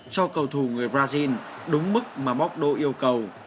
cho cầu thủ người brazil đúng mức mà bóc đô yêu cầu